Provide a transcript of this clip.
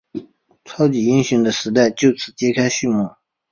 超级英雄的时代就此揭开序幕。